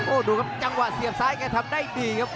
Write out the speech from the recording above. โอ้โหดูครับจังหวะเสียบซ้ายแกทำได้ดีครับ